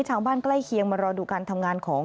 ชาวบ้านใกล้เคียงมารอดูการทำงานของ